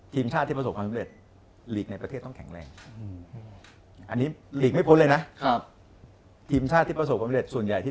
ทีมชาติที่ประสงค์ความพิเศษ